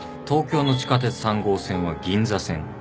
東京の地下鉄３号線は銀座線。